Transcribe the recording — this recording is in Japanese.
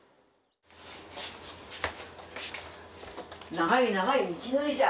長い長い道のりじゃ。